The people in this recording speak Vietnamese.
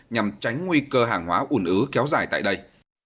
nhằm tránh nguy cơ hàng hóa ủn ứ kéo dài tại đây